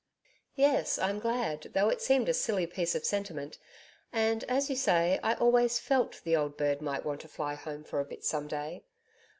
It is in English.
'Yes, I'm glad, though it seemed a silly piece of sentiment ... and, as you say, I always FELT the old bird might want to fly home for a bit some day.